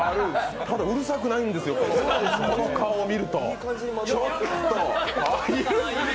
ただうるさくないんですよ、この顔を見ると。